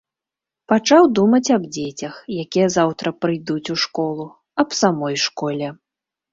Пачаў думаць аб дзецях, якія заўтра прыйдуць у школу, аб самой школе.